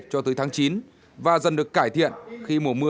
cho tới tháng chín và dần được cải thiện khi mùa mưa